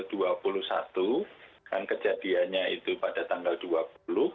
dan kejadiannya itu pada tanggal dua puluh